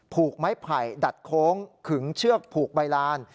ผูกไม้ไผ่ดัดโค้งขึงเชือกผูกใบลาน